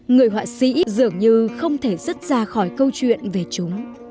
người họa sĩ dường như không thể dứt ra khỏi câu chuyện về chúng